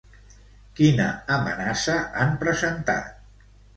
Quina amenaça han presentat?